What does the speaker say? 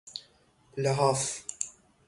لحاف